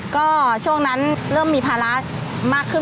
ก็ช่วงนั้นเริ่มมีภาระมากขึ้น